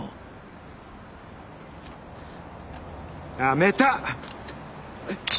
やめた。